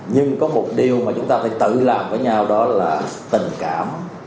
nhưng có một điều mà chúng ta phải tự làm với nhau đó là tình cảm